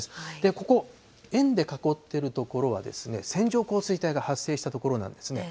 ここ、円で囲ってる所はですね、線状降水帯が発生した所なんですね。